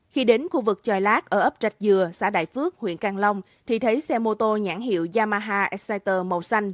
khi đến khu vực chòi lát ở ấp trạch dừa xã đại phước huyện càng long thì thấy xe mô tô nhãn hiệu yamaha exciter màu xanh